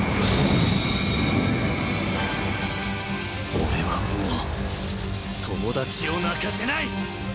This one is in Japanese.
俺はもう友達を泣かせない！